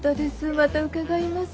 また伺います。